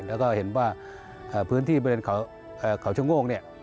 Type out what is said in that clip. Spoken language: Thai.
แล้วก็เห็นว่าพื้นที่บริเวณเขาชะโงกเนี่ย